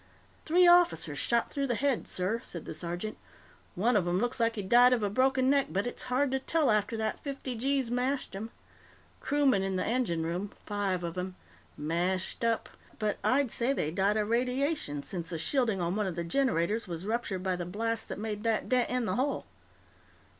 "Three officers shot through the head, sir," said the sergeant. "One of 'em looks like he died of a broken neck, but it's hard to tell after that fifty gees mashed 'em. Crewmen in the engine room five of 'em. Mashed up, but I'd say they died of radiation, since the shielding on one of the generators was ruptured by the blast that made that dent in the hull."